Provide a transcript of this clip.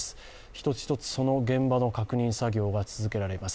一つ一つ、現場の確認作業が続けられます。